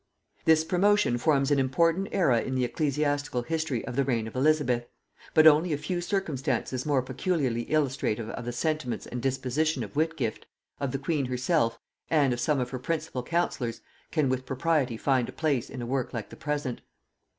This promotion forms an important æra in the ecclesiastical history of the reign of Elizabeth: but only a few circumstances more peculiarly illustrative of the sentiments and disposition of Whitgift, of the queen herself, and of some of her principal counsellors, can with propriety find a place in a work like the present.